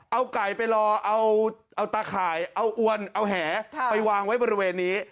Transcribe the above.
เอาไก่ไปรอเอาตาข่ายเอาอวนเอาแหไปวางไว้บริเวณนี้